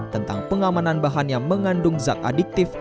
tentang pengamanan bahan yang mengandung zat adiktif